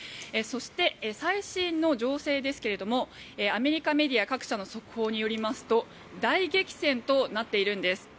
そして、最新の情勢ですがアメリカメディア各社の速報によりますと大激戦となっているんです。